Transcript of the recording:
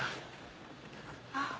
ああ。